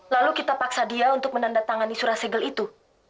lalu kita paksa dia untuk menandatangani surat segel itu